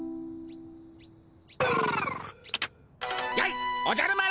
やいおじゃる丸！